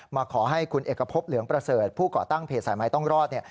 มาขอให้คุณเอกพบเหลืองประเสริฐผู้ก่อตั้งเพจสายไม้ต้องรอด